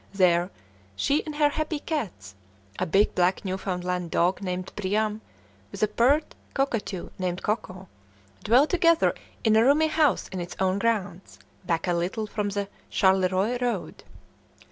There, she and her happy cats, a big black Newfoundland dog named Priam, with a pert cockatoo named Coco, dwell together in a roomy house in its own grounds, back a little from the Charleroi Road.